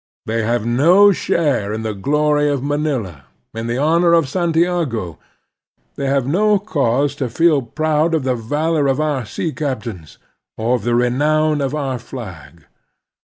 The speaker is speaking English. They have no share in the glory of Manila, in the honor of Santiago. They have no cause to feel proud of the valor of our sea captains, of the renown of our flag.